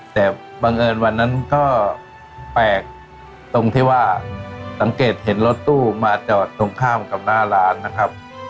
แต่บังเอิญวันนั้นก็แปลกตรงที่ว่าสังเกตเห็นรถตู้มาจอดตรงข้ามกับหน้าร้านนะครับ